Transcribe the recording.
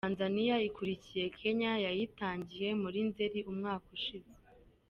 Tanzania ikurikiye Kenya yayitangije muri Nzeri umwaka ushize.